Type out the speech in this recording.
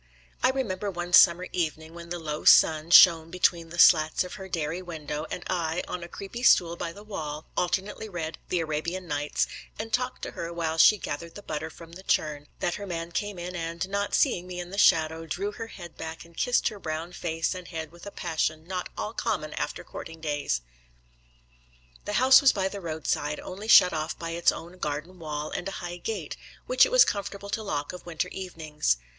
I remember one summer evening, when the low sun shone between the slats of her dairy window, and I, on a creepy stool by the wall, alternately read The Arabian Nights and talked to her while she gathered the butter from the churn, that her man came in, and, not seeing me in the shadow, drew her head back and kissed her brown face and head with a passion not all common after courting days. The house was by the roadside, only shut off by its own garden wall and a high gate, which it was comfortable to lock of winter evenings.